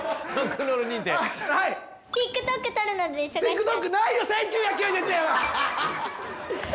ＴｉｋＴｏｋないよ１９９１年は。